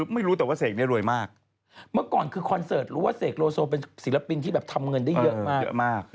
เมื่อก่อนคือคอนเสิร์ตรู้ว่าเสกโลโซเป็นศิลปินที่ทำเงินได้เยอะมาก